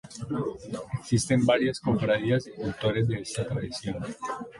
Existen varias cofradías y cultores de esta tradición.